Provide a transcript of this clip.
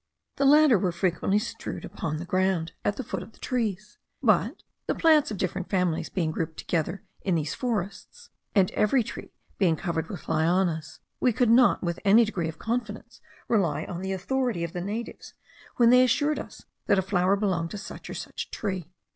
The latter were frequently strewed upon the ground at the foot of the trees; but, the plants of different families being grouped together in these forests, and every tree being covered with lianas, we could not, with any degree of confidence, rely on the authority of the natives, when they assured us that a flower belonged to such or such a tree.